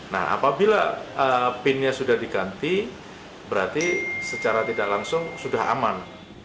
nah apabila pinnya sudah diganti berarti secara tidak langsung sudah aman